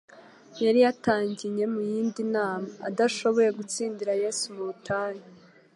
yari yaratanginye mu yindi nama. Adashoboye gutsindira Yesu mu butayu,